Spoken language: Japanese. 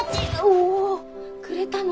おおくれたの？